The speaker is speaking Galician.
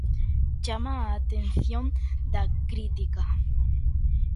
Chama a atención da crítica.